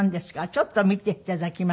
ちょっと見て頂きます。